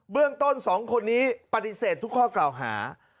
เรื่องต้น๒คนนี้ปฏิเสธทุกข้อกล่าวหา